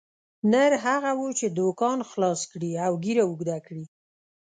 نر هغه وو چې دوکان خلاص کړي او ږیره اوږده کړي.